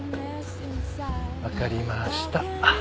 分かりました。